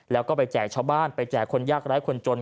แล้วก็ไปแจกชาวบ้านไปแจกคนยากร้ายคนจน